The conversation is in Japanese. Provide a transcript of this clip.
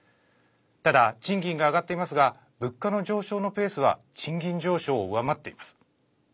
ただ、賃金が上がっていますが物価の上昇のペースは賃金上昇を上回っています。